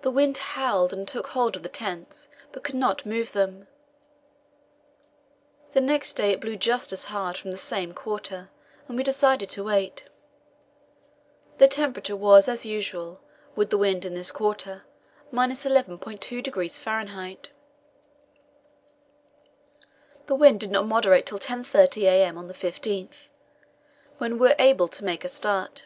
The wind howled and took hold of the tents, but could not move them. The next day it blew just as hard from the same quarter, and we decided to wait. The temperature was as usual, with the wind in this quarter; 11.2° F. The wind did not moderate till 10.30 a.m. on the 15th, when we were able to make a start.